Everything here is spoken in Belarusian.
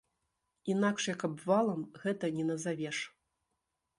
Інакш як абвалам, гэта не назавеш.